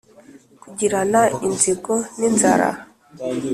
kugirana inzigo n’inzara